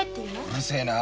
うるせえな！